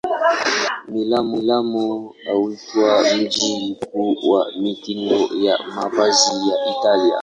Milano huitwa mji mkuu wa mitindo ya mavazi ya Italia.